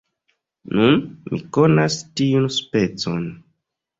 Nun mi konas tiun specon.